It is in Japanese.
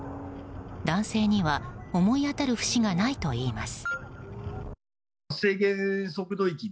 男性には思い当たる節がないと言います。